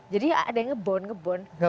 jadi ada yang ngebone ngebone